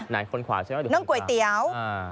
น้องก๋วยเตี๋ยว